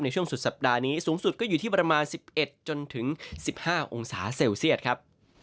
ในช่วงสุดสัปดาห์นี้สูงสุดก็อยู่ที่ประมาณ๑๑จนถึง๑๕องศาเซลเซียตครับ